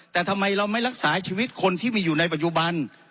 แต่ทำไมเราไม่รักษาชีวิตคนที่มีอยู่ในปัจจุบัน